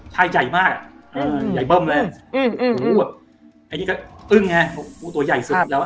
อ่าอ่าอ่าอ่าอ่าอ่าอ่าอ่าอ่าอ่าอ่าอ่าอ่าอ่าอ่า